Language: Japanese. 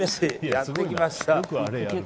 やってきました。